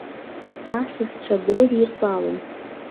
Асасцәа дрыдиртәалон.